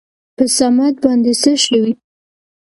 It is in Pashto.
په صمد باندې څه شوي ؟